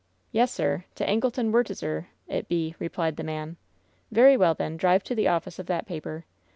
"Yes, sir. T' Angleton 'Wertiser it be," replied the man. "Very well, then. Drive to the office of that paper.